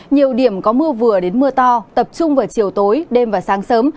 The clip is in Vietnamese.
nhiều điểm có mưa vừa đến mưa to tập trung vào chiều tối đêm và sáng sớm